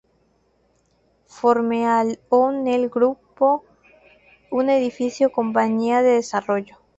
Forme el O'Neal Grupo, un edificio-compañía de desarrollo.